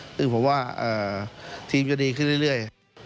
ซึ่งผมว่าทีมจะดีขึ้นเรื่อย